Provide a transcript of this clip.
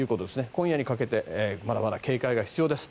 今夜にかけてまだまだ警戒が必要です。